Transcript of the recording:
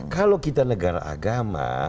kalau kita negara agama